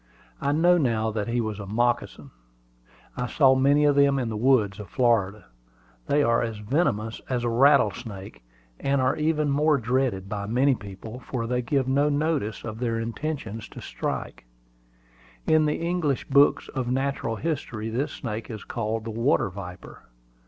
I know now that he was a moccasin. I saw many of them in the woods of Florida. They are as venomous as the rattlesnake, and are even more dreaded by many people, for they give no notice of their intention to strike. In the English books of natural history this snake is called the water viper.